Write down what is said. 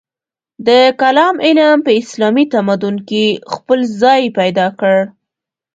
د کلام علم په اسلامي تمدن کې خپل ځای پیدا کړ.